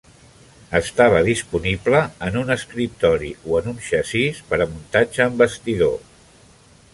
Estava disponible en un escriptori o en un xassís per a muntatge en bastidor.